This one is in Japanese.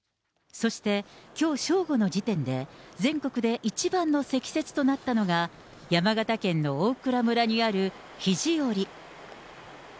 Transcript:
そして、きょう正午の時点で、全国で一番の積雪となったのが、山形県の大蔵村にある肘折。